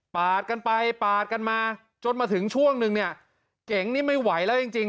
กันไปปาดกันมาจนมาถึงช่วงนึงเนี่ยเก๋งนี่ไม่ไหวแล้วจริงจริง